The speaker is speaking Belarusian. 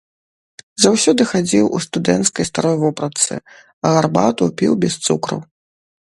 Заўсёды хадзіў у студэнцкай старой вопратцы, а гарбату піў без цукру.